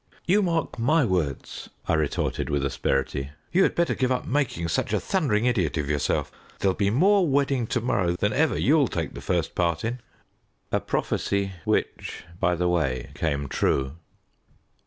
"You mark my words," I retorted with asperity, "you had better give up making such a thundering idiot of yourself. There'll be more wedding to morrow than ever you'll take the first part in." A prophecy which, by the way, came true.